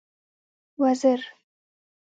وزر.